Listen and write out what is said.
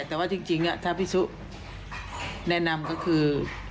แต่ว่าจริงถ้าพี่สุแนะนำก็คือ